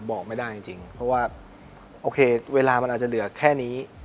บอกไม่ได้จริงเพราะว่าโอเคเวลามันอาจจะเหลือแค่นี้